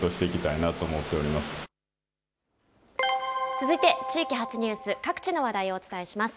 続いて地域発ニュース、各地の話題をお伝えします。